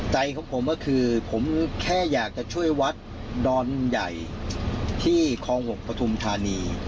ใจของผมก็คือผมแค่อยากจะช่วยวัดดอนใหญ่ที่คลอง๖ปฐุมธานี